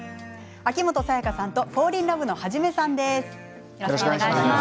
秋元才加さんとフォーリンラブのハジメさんです。